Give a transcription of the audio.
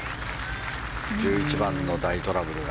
１１番の大トラブルが。